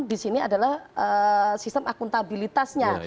di sini adalah sistem akuntabilitasnya